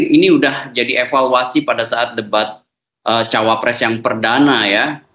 ini sudah jadi evaluasi pada saat debat cawapres yang perdana ya